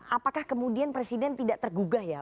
apakah kemudian presiden tidak tergugah ya